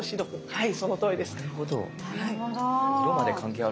はい。